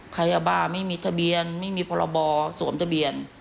ยาบ้าไม่มีทะเบียนไม่มีพรบสวมทะเบียน